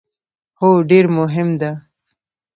هو، ډیر مهم ده